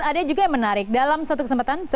ada juga yang menarik dalam satu kesempatan